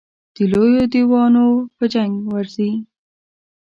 د لویو دېوانو په جنګ ورځي.